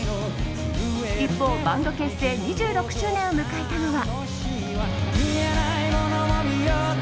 一方、バンド結成２６周年を迎えたのは。